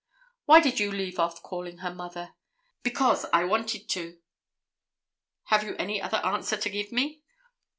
"Why did you leave off calling her mother?" "Because I wanted to." "Have you any other answer to give me?"